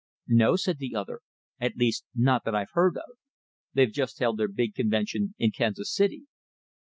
"No," said the other; "at least, not that I've heard of. They've just held their big convention in Kansas City."